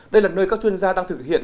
đây là nơi các chuyên gia đang thực hiện